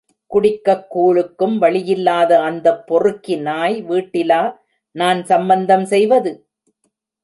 குடிக்கக் கூழுக்கும் வழியில்லாத அந்தப் பொறுக்கி நாய் வீட்டிலா நான் சம்மந்தம் செய்வது?